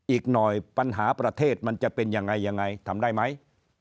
อีกหน่อยปัญหาประเทศมันจะเป็นยังไงยังไงทำได้ไหม